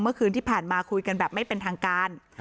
เมื่อคืนที่ผ่านมาคุยกันแบบไม่เป็นทางการ